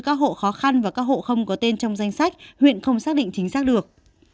hỗ trợ thêm cho các hộ khó khăn và các hộ không có tên trong danh sách huyện không xác định chính xác được